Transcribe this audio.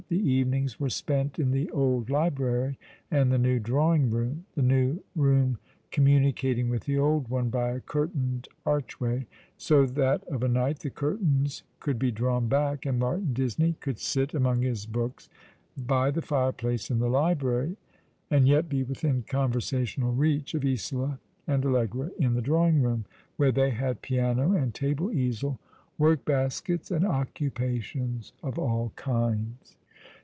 The evenings were spent in the old library and the new drawing room, the new room communi cating with the old one by a curtained archway, so that of a night the curtains could be drawn back and Martin Disney could sit among his books by the fireplace in the library, and yet be within conversational reach of Isola and Allegra in the drawing room, where thsy had piano and table easel, work baskets, and occupations of all kinds.